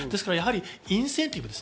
インセンティブです。